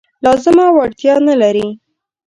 لازمه وړتیا نه لري.